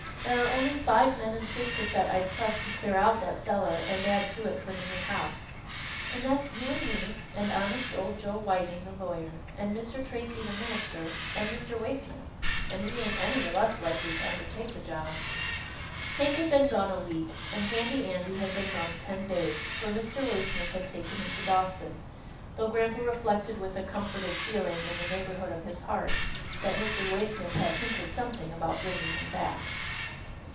There are only five men in Cis casset I'd trust to clear out that cellar, and add to it for the new house, and that's you and me, and honest old Joe Whiting, the lawyer, and Mr. Tracy, the minister, and Mr. Waysmith, and we ain't any of us likely to undertake the job." Hank had been gone a week, and Handy Andy had been gone ten days, for Mr. Waysmith had taken him to Boston, though grampa reflected with a comforted feeling in the neighbourhood of his heart, that Mr. Waysmith had hinted something about bringing him back.